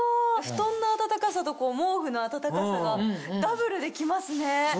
布団の暖かさと毛布の暖かさがダブルで来ますね。